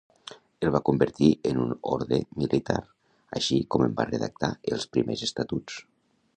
El va convertir en un orde militar, així com en va redactar els primers estatuts.